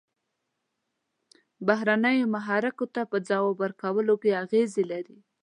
بهرنیو محرکو ته په ځواب ورکولو کې اغیزې لري.